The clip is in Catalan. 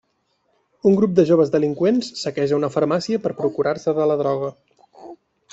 Un grup de joves delinqüents saqueja una farmàcia per procurar-se de la droga.